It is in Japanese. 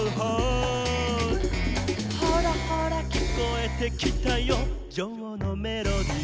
「ほらほらきこえてきたよジョーのメロディー」